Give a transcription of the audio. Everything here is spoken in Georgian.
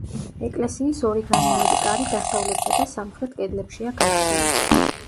ეკლესიის ორი განიერი კარი დასავლეთსა და სამხრეთ კედლებშია გაჭრილი.